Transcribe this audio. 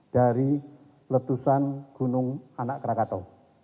dari letusan gunung anak krakatau